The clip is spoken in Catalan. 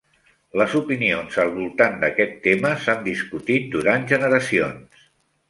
Les opinions al voltant d'aquest tema, s'han discutit durant generacions.